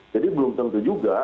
jadi belum tentu juga